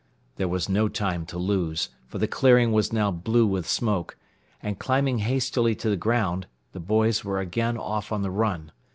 There was no time to lose, for the clearing was now blue with smoke, and climbing hastily to the ground, the boys were again off on the run.